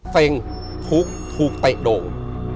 เซ็งทุกข์ถูกเตะโด่ง